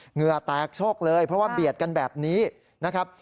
เหงื่อแตกโชคเลยเพราะว่าเบียดกันแบบนี้นะครับ